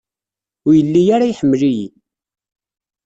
Ur yelli ara iḥemmel-iyi.